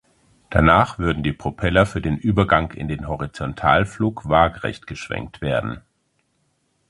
Danach würden die Propeller für den Übergang in den Horizontalflug waagerecht geschwenkt werden.